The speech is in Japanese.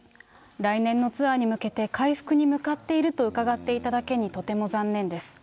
来年のツアーに向けて、回復に向かっていると伺っていただけにとても残念です。